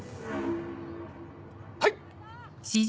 はい！